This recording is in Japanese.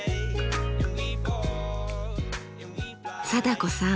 貞子さん